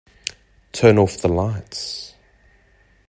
Turn off the lights.